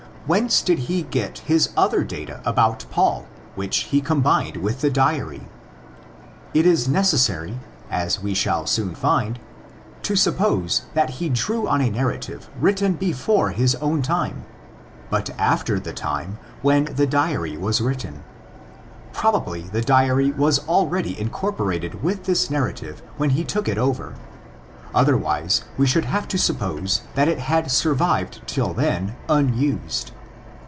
Whence did he get his other data about Paul which he com bined with the diary? It is necessary—as we shall soon find—to suppose that he drew on a narrative written before his own time, but after the time when the diary was written. Probably the diary was already incorporated with this narrative when he took it over; otherwise we should have to suppose that it had survived till then unused.